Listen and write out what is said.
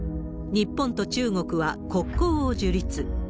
日本と中国は国交を樹立。